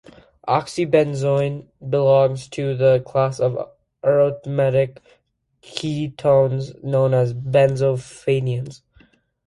Oxybenzone belongs to the class of aromatic ketones known as benzophenones.